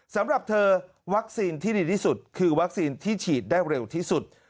สำหรับเธอวัคซีนที่ดีที่สุดคือวัคซีนที่ฉีดได้เร็วที่สุด